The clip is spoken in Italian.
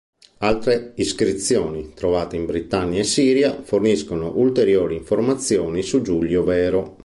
Altre iscrizioni, trovate in Britannia e Siria, forniscono ulteriori informazioni su Giulio Vero.